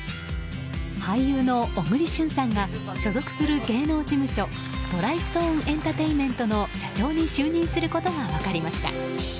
俳優の小栗旬さんが所属する芸能事務所トライストーン・エンタテイメントの社長に就任することが分かりました。